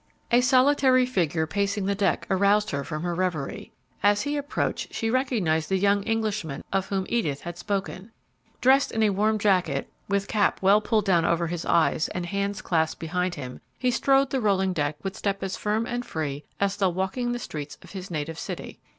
A solitary figure pacing the deck aroused her from her revery. As he approached she recognized the young Englishman of whom Edith had spoken. Dressed in warm jacket, with cap well pulled down over his eyes and hands clasped behind him, he strode the rolling deck with step as firm and free as though walking the streets of his native city.